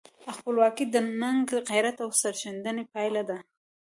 خپلواکي د ننګ، غیرت او سرښندنې پایله ده.